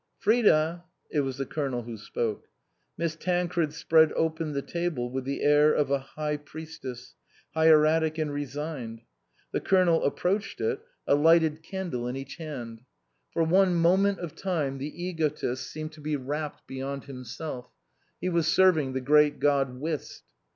" Frida !" It was the Colonel who spoke. Miss Tancred spread open the table with the air of a high priestess, hieratic and resigned. The Colonel approached it, a lighted candle 26 INLAND in each hand. For one moment of time the egotist seemed to be rapt beyond himself ; he was serving the great god Whist.